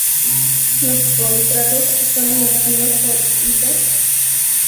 Los contratos son emitidos por hitos de precio modificado o pago por actuación.